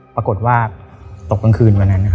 ปรากฏว่าตกกลางคืนวันนั้น